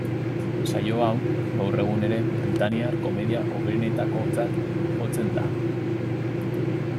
Saio hau, gaur egun ere, britaniar komedia hoberenetakotzat jotzen da.